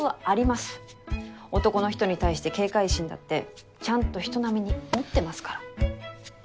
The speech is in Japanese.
男の人に対して警戒心だってちゃんと人並みに持ってますから！